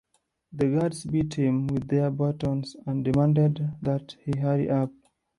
The guards beat him with their batons and demanded that he hurry up.